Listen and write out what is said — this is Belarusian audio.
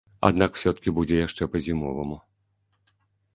Аднак усё-ткі будзе яшчэ па-зімоваму.